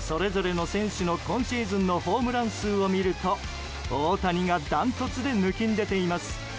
それぞれの選手の今シーズンのホームラン数を見ると大谷がダントツで抜きんでています。